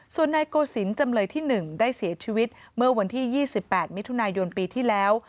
ส่วนนายโกศิลป์จำเลยที่๑ได้เสียชีวิตเมื่อวันที่๒๘มิถุนายนปีที่แล้ว